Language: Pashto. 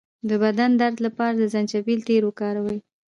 د بدن درد لپاره د زنجبیل تېل وکاروئ